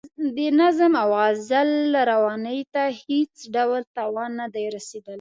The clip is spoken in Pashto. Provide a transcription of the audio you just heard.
د نظم او غزل روانۍ ته هېڅ ډول تاوان نه دی رسیدلی.